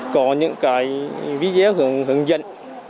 có những video hướng dẫn